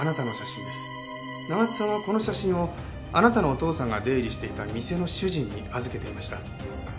長津さんはこの写真をあなたのお父さんが出入りしていた店の主人に預けていました。